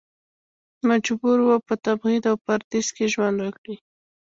مجبور و په تبعید او پردیس کې ژوند وکړي.